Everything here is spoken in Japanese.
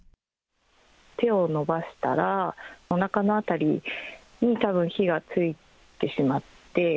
手を伸ばしたら、おなかの辺りにたぶん火がついてしまって。